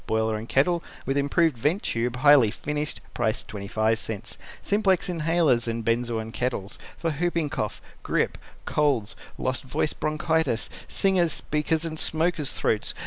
Boiler A kettle with improved vent tube, highly finished Price .25 SIMPLEX INHALERS and BENZOIN KETTLES For Whooping Cough, Grip, Colds, Lost Voice Bronchitis, Singers', Speakers' and Smokers' Throats.